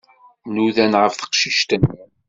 Nudan ɣef teqcict-nni.